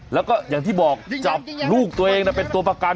แล้วก็อย่างที่บอกจับลูกตัวเองเป็นตัวประกัน